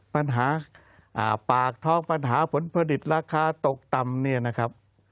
ปัญหาปากท้องปัญหาผลผลิตราคาตกต่ำ